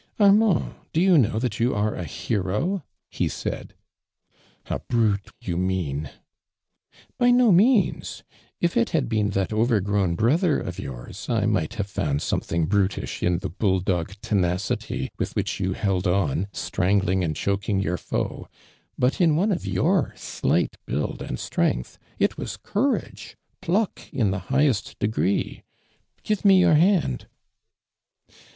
'•Armand, do you know that you area horoY" he Haid. " A brute, you mean !"" By no means ! If it had been tliat over grown brother of yours, I might have found something brutish in the bull dog tenacity with wluch you lield fin, strangling und choking your foe, but in one of your slight liuild and strength, it was courage— pluck, in the higlicst degree, fiive me your hand